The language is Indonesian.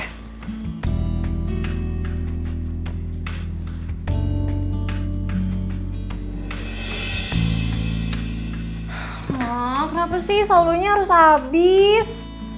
kenapa sih saldunya harus habis